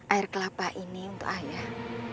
air kelapa ini untuk ayah